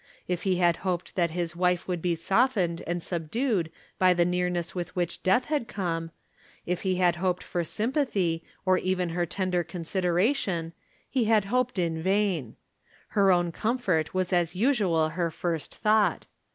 If he had hoped that his wife would be softened and subdued by the nearness with which death had come ; if he had hoped for sympathy, or even her tender con sideration, he had hoped in vain. Her own com fort was as usual her first thought.